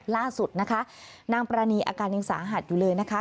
ล่าสุดนะคะนางปรานีอาการยังสาหัสอยู่เลยนะคะ